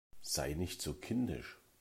Sei nicht so kindisch!